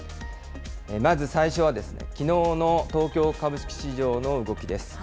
まず最初は、きのうの東京株式市場の動きです。